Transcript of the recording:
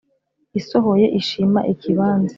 isohoye ishima ikibanza.